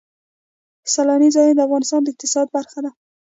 سیلانی ځایونه د افغانستان د اقتصاد برخه ده.